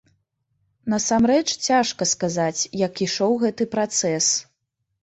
Насамрэч цяжка сказаць, як ішоў гэты працэс.